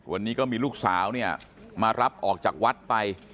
วันนี้ก็มีลูกสาวเนี่ยมารับออกจากวัดไป